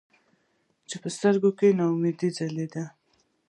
خو پۀ سترګو کښې ناامېدې ځلېده ـ